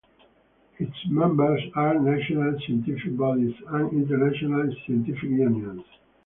Its members are national scientific bodies and international scientific unions.